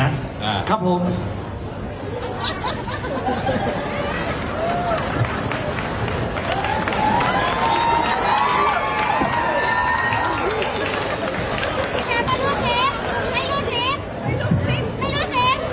ไอ้ลูกทิ้ง